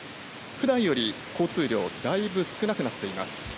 ふだんより交通量だいぶ少なくなっています。